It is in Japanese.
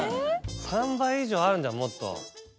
３倍以上あるんじゃんもっと。